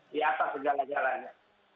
di atas segala galanya